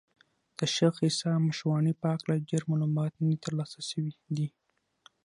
د شېخ عیسي مشواڼي په هکله ډېر معلومات نه دي تر لاسه سوي دي.